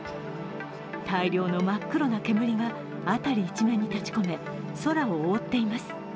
大量の真っ黒な煙が辺り一面に立ち込め、空を覆っています。